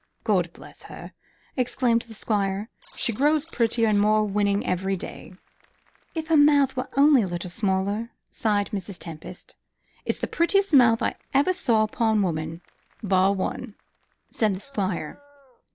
"God bless her!" exclaimed the Squire; "she grows prettier and more winning every day." "If her mouth were only a little smaller," sighed Mrs. Tempest. "It's the prettiest mouth I ever saw upon woman bar one," said the Squire.